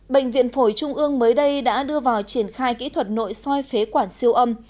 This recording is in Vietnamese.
bệnh viện phổi trung ương mới đây đã đưa vào triển khai kỹ thuật nội soi phế quản siêu âm